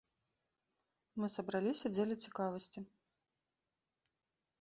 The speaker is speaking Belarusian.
Мы сабраліся дзеля цікавасці.